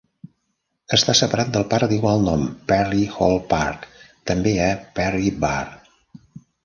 Està separat del parc d'igual nom Perry Hall Park, també a Perry Barr.